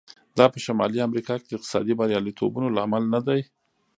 دا په شمالي امریکا کې د اقتصادي بریالیتوبونو لامل نه دی.